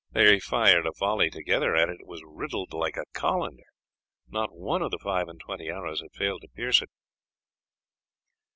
They fired a volley together at it. It was riddled like a colander; not one of the five and twenty arrows had failed to pierce it."